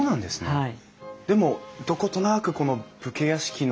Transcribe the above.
はい。